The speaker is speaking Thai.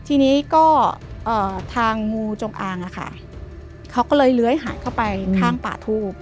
ทีนี้ก็ทางงูจงอางอะค่ะเขาก็เลยเลื้อยหายเข้าไปข้างป่าทูบ